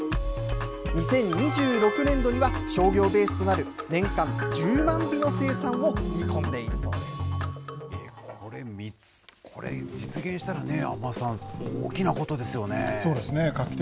２０２６年度には商業ベースとなる年間１０万尾の生産を見込んでこれ、実現したらね、安間さそうですね。